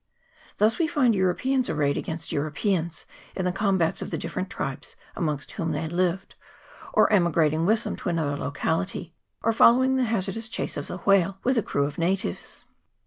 Thus we find Europeans arrayed against Europeans in the combats of the different tribes amongst whom they lived, or emigrating with them to another locality, or following the hazardous chase of the whale with a crew of natives.